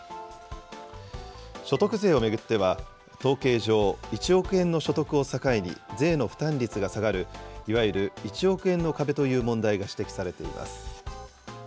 所得税を巡っては、統計上、１億円の所得を境に、税の負担率が下がる、いわゆる１億円の壁という問題が指摘されています。